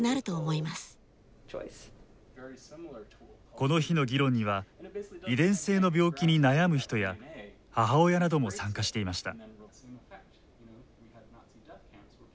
この日の議論には遺伝性の病気に悩む人や母親なども参加していました。